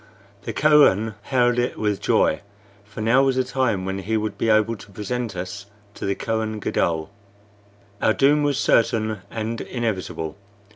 The Kohen hailed it with joy, for now was the time when he would be able to present us to the Kohen Gadol. Our doom was certain and inevitable.